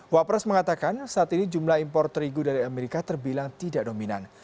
wapres mengatakan saat ini jumlah impor terigu dari amerika terbilang tidak dominan